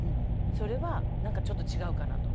それは何かちょっと違うかなと。